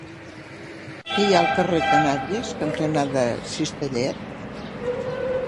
Què hi ha al carrer Canàries cantonada Cistellet?